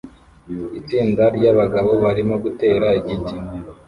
Itsinda ryabagabo barimo gutera igiti